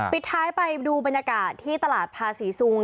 ปิดท้ายไปดูบรรยากาศที่ตลาดภาษีซุง